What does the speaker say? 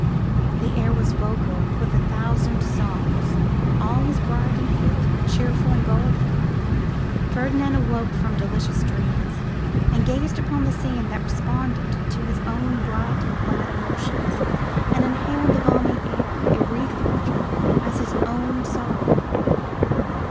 The air was vocal with a thousand songs; all was bright and clear, cheerful and golden. Ferdinand awoke from delicious dreams, and gazed upon the scene that responded to his own bright and glad emotions, and inhaled the balmy air, ethereal as his own soul.